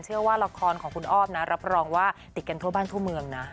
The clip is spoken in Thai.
เชื่อว่าละครของคุณอ้อมนะรับรองว่าติดกันทั่วบ้านทั่วเมืองนะ